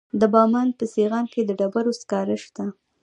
د بامیان په سیغان کې د ډبرو سکاره شته.